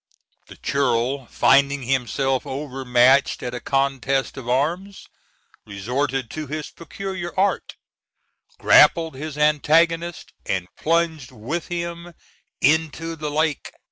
The churl finding himself overmatched at a contest of arms, resorted to his peculiar art, grappled his antagonist, and plunged with him into the lake.